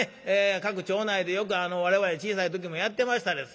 各町内でよく我々小さい時もやってましたです。